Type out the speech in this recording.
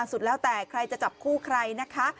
สุดแล้วแต่ใครจะจับคู่ใครนะคะ